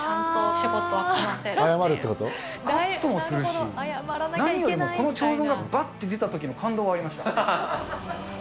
すかっともするし、何よりもこの長文がばって出たときの感動がありました。